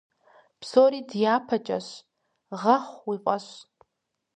Псори дяпэкӀэщ, гъэхъу уи фӀэщ.